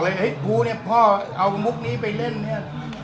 ไม่ได้คิดพี่ยังบอกเลยพ่อเนี่ยพ่อเอามุกนี้ไปเล่นเนี่ย